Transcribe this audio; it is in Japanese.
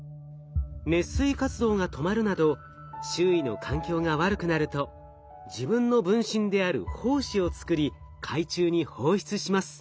熱水活動が止まるなど周囲の環境が悪くなると自分の分身である胞子を作り海中に放出します。